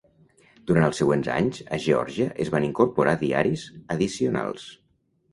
Durant els següents anys, a Geòrgia es van incorporar diaris addicionals.